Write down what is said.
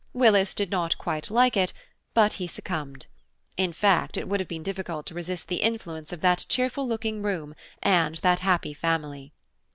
Willis did not quite like it, but he succumbed. In fact, it would have been difficult to resist the influence of that cheerful looking room and that happy family.